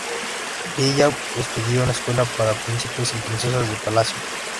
Billah estudió en la escuela para príncipes y princesas de palacio.